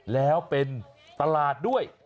แล้วเป็นตลาดด้วย